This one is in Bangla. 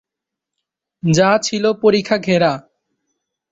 যা ছিল পরিখা ঘেরা।